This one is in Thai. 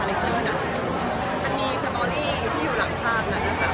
ถ้าในงานนะคะมันเป็นคลั่งแรก